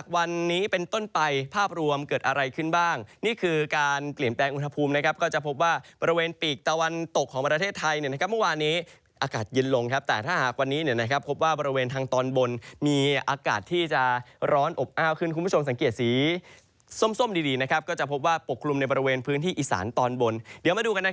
ขึ้นบ้างนี่คือการเปลี่ยนแปลงอุณหภูมินะครับก็จะพบว่าบริเวณปีกตะวันตกของประเทศไทยเนี่ยนะครับว่านี้อากาศยืนลงครับแต่ถ้าหากวันนี้เนี่ยนะครับพบว่าบริเวณทางตอนบนมีอากาศที่จะร้อนอบอ้าวขึ้นคุณผู้ชมสังเกียจสีส้มดีนะครับก็จะพบว่าปกคลุมในบริเวณพื้นที่อิสานตอนบนเดี